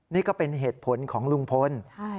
นี่ก็เป็นเหตุผลของลุงพล